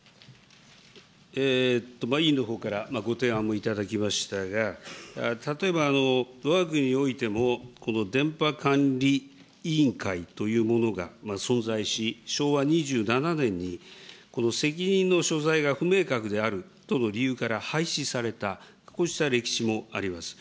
委員のほうからご提案もいただきましたが、例えばわが国においても、この電波監理委員会というものが存在し、昭和２７年に責任の所在が不明確であるとの理由から廃止された、こうした歴史もあります。